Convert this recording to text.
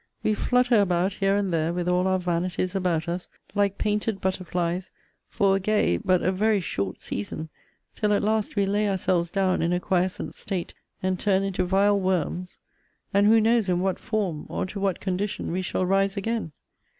We flutter about here and there, with all our vanities about us, like painted butterflies, for a gay, but a very short season, till at last we lay ourselves down in a quiescent state, and turn into vile worms: And who knows in what form, or to what condition we shall rise again?